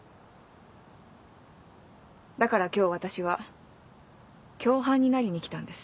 だから今日私は共犯になりに来たんです。